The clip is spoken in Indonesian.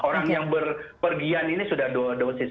orang yang berpergian ini sudah dua dosis